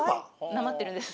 なまってるんです。